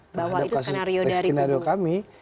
terhadap skenario kami